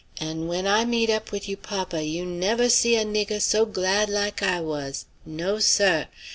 An' when I meet up wid you papa you nevva see a nigger so glad like I was. No, seh.